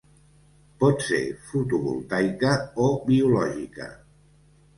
Pot ser fotovoltaica o biològica.